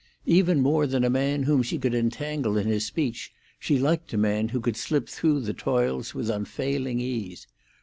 Even more than a man whom she could entangle in his speech she liked a man who could slip through the toils with unfailing ease.